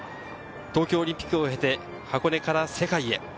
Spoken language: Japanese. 東京オリンピックを経て、これから世界へ。